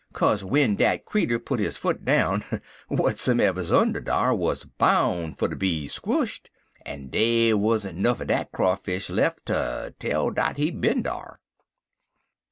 Co'se w'en dat creetur put his foot down, w'atsumever's under dar wuz boun' fer ter be squshed, en dey wa'n't nuff er dat Crawfish lef' fer ter tell dat he'd bin dar.